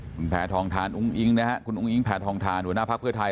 คุณแพทองทานอุ้งอิงนะฮะคุณอุ้งอิงแพทองทานหัวหน้าภักดิ์เพื่อไทย